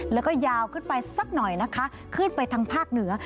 แล้วก็ยาวขึ้นไปสักหน่อยนะคะขึ้นไปทางภาคเหนือ